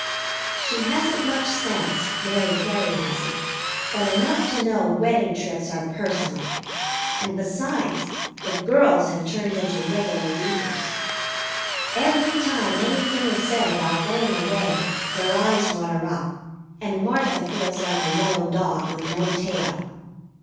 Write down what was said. She hasn't much sense, Mary Cary hasn't, but enough to know wedding trips are personal, and, besides, the girls have turned into regular weepers. Every time anything is said about going away their eyes water up, and Martha feels like a yellow dog with no tail.